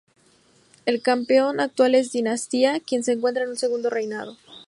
El campeón actual es Dinastía, quien se encuentra en su segundo reinado.